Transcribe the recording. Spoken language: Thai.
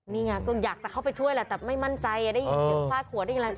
นี่ค่ะก็อยากจะเข้าไปช่วยละแต่ไม่มั่นใจได้ยืนฝ้าขวดด้วยอีกแล้ว